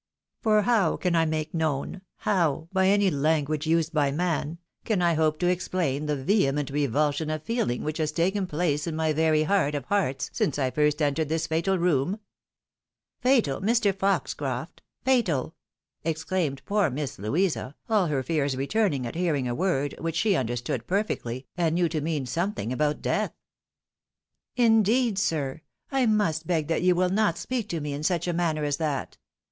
For how can I make known — how, by any language used by man, can I hope to explain the vehement revulsion of fesUng which has taken place in my very heart of hearts since first I entered this fatal room ?"" Fatal, Mr. Foxcroft ? Fatal !" exclaimed poor Miss Louisa, all her fears returning at hearing a word which she understood perfectly, and knew to mean something about death. " Indeed, sir, I must beg that you will not speak to me in such a manner as that.